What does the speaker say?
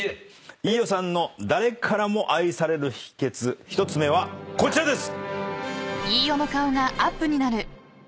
飯尾さんの誰からも愛される秘訣１つ目はこちらです！